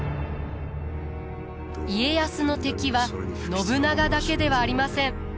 家康の敵は信長だけではありません。